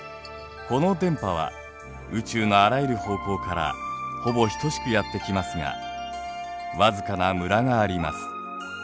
この電波は宇宙のあらゆる方向からほぼ等しくやって来ますがわずかなムラがあります。